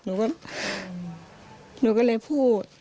หนูก็หนูก็เลยพูด